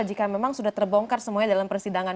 jika memang sudah terbongkar semuanya dalam persidangan